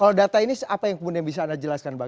kalau data ini apa yang kemudian bisa anda jelaskan bang